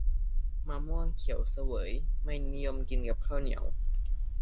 มะม่วงเขียวเสวยไม่นิยมกินกับข้าวเหนียว